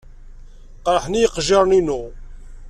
Qerḥen-iyi yiqejjiren-inu.